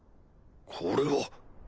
これは！